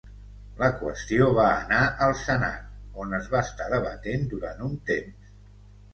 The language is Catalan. La qüestió va anar al senat, on es va estar debatent durant un temps.